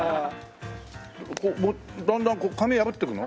こうだんだん紙破ってくの？